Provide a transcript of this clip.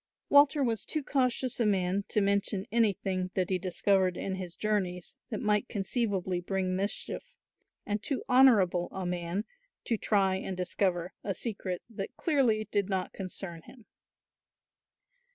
Walter was too cautious a man to mention anything that he discovered in his journeys that might conceivably bring mischief, and too honourable a man to try and discover a secret that clearly did not concern him.